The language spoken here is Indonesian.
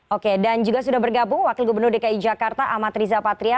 oke dan juga sudah bergabung wakil gubernur dki jakarta amat riza patria